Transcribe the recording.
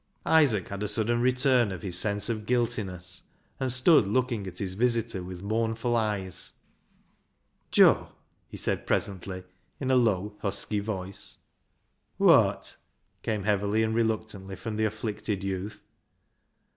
Isaac had a sudden return of his sense of guiltiness, and stood looking at his visitor with mournful eyes. " Joe," he said presently, in a low, husky voice. " Wot ?" came heavily and reluctantly from the afflicted youth.